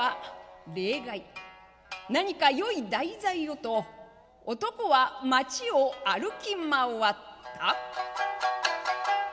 何かよい題材をと男は街を歩き回った。